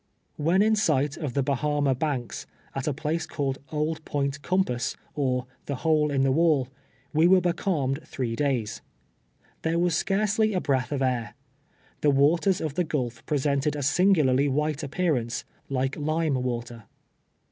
"When in sight of the I>ahama Banks, at a place called Old Point Comi:)ass, or the Hole in the AVall, we were becalmed three days. There was scarcely a breath of air. The waters of the gulf presented a singularly white appearance, like lime water.